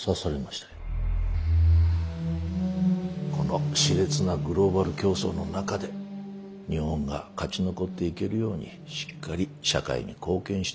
この熾烈なグローバル競争の中で日本が勝ち残っていけるようにしっかり社会に貢献してほしいと。